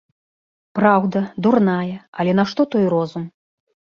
Праўда, дурная, але нашто той розум!